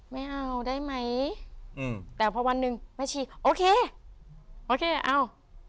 ไม่เอาได้ไหมอืมแต่พอวันหนึ่งแม่ชีโอเคโอเคเอา